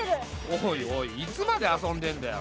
おいおいいつまで遊んでんだよ。